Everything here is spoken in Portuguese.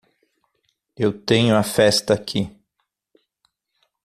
Eu tenho a festa aqui.